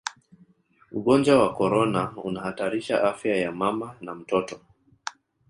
ugonjwa wa korona unahatarisha afya ya mama na mtoto